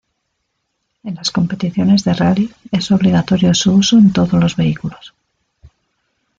En las competiciones de rally es obligatorio su uso en todos los vehículos.